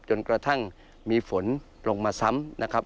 จนกระทั่งมีฝนลงมาซ้ำนะครับ